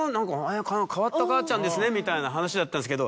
変わった母ちゃんですねみたいな話だったんですけど。